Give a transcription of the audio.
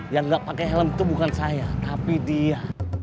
yang tidak pakai helm itu bukan saya tapi dia